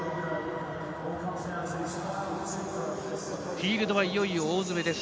フィールドはいよいよ大詰めです。